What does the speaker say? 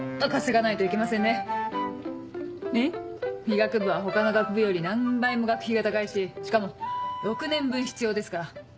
医学部は他の学部より何倍も学費が高いししかも６年分必要ですから。